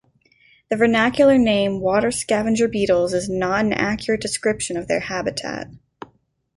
The vernacular name "water scavenger beetles" is not an accurate description of their habit.